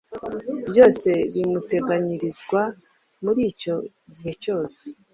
byose bimuteganyirizwa muri icyo gihe cyose